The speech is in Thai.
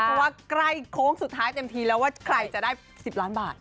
เพราะว่าใกล้โค้งสุดท้ายเต็มทีแล้วว่าใครจะได้๑๐ล้านบาท